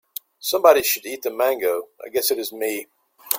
Somebody should eat the mango, I guess it is me.